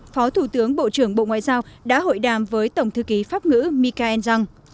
phó thủ tướng bộ trưởng bộ ngoại giao đã hội đàm với tổng thư ký pháp ngữ mika en giang